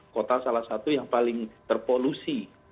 kota salah satu yang paling terpolusi